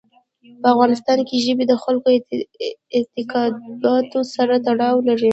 په افغانستان کې ژبې د خلکو اعتقاداتو سره تړاو لري.